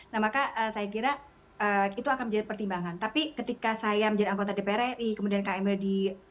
nah maka saya kira itu akan menjadi pertimbangan tapi ketika saya menjadi anggota dpr ri kemudian kang emil di